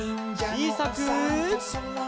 ちいさく。